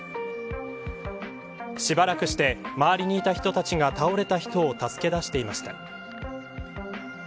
しばらくして周りにいた人たちが倒れた人を助け出していました。